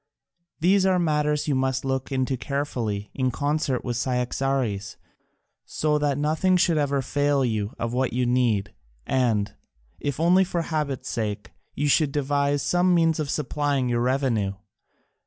These are matters you must look into carefully, in concert with Cyaxares, so that nothing should ever fail you of what you need, and, if only for habit's sake, you should devise some means for supplying your revenue.